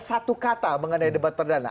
satu kata mengenai debat perdana